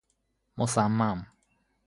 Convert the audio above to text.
مصمم